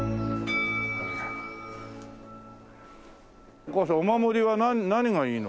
お母さんお守りは何がいいの？